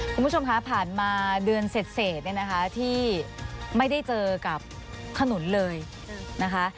คุณผู้ชมคะผ่านมาเดือนเสร็จเนี่ยนะคะที่ไม่ได้เจอกับขนุนเลยนะคะ